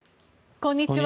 こんにちは。